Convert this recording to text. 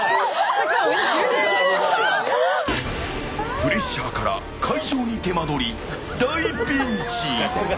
プレッシャーから開錠に手間どり大ピンチ。